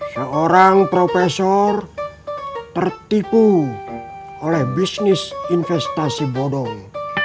seorang profesor tertipu oleh bisnis investasi bodong